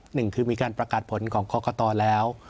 หนึ่งคือมีการประกาศผลของกรกตแล้ว